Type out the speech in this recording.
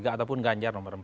ataupun ganjar nomor empat